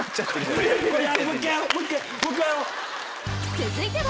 続いては